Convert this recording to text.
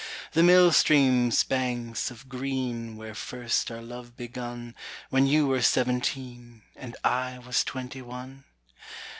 The mill stream's banks of green Where first our love begun, When you were seventeen, And I was twenty one?